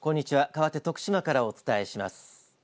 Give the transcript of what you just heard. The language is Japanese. かわって徳島からお伝えします。